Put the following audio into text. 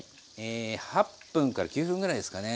え８分から９分ぐらいですかね。